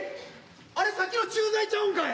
あれさっきの駐在ちゃうんかい。